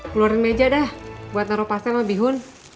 keluarin meja dah buat taruh pastel sama bihun